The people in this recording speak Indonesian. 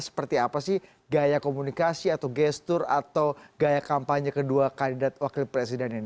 seperti apa sih gaya komunikasi atau gestur atau gaya kampanye kedua kandidat wakil presiden ini